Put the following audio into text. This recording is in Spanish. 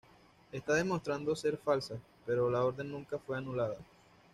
Estas demostraron ser falsas, pero la orden nunca fue anulada.